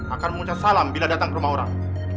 akan mengucap salam bila datang ke rumah orang